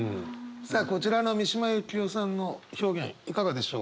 さあこちらの三島由紀夫さんの表現いかがでしょうか？